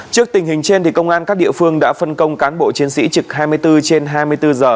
trước tình hình trên công an các địa phương đã phân công cán bộ chiến sĩ trực hai mươi bốn trên hai mươi bốn giờ